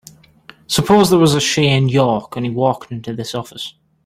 Suppose there was a Shane York and he walked into this office.